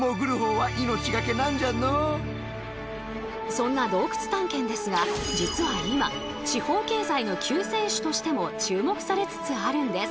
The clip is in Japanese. そんな洞窟探検ですが実は今地方経済の救世主としても注目されつつあるんです。